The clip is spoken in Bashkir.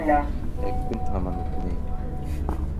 Ә көн һаман үтмәй.